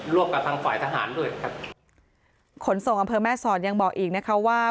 กับทางฝ่ายทหารด้วยครับขนส่งอำเภอแม่สอดยังบอกอีกนะคะว่า